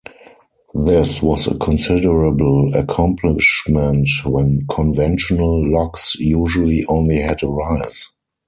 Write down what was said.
This was a considerable accomplishment when conventional locks usually only had a rise.